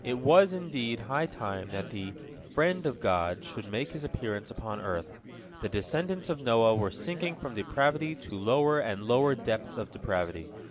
" It was, indeed, high time that the "friend of God" should make his appearance upon earth. The descendants of Noah were sinking from depravity to lower and lower depths of depravity.